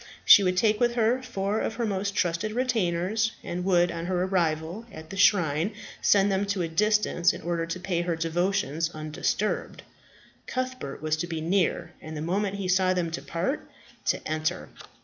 She would take with her four of her most trusted retainers, and would on her arrival at the shrine send them to a distance, in order to pay her devotions undisturbed. Cuthbert was to be near, and the moment he saw them depart, to enter.